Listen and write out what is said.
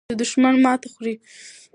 دښمن ماته خوري.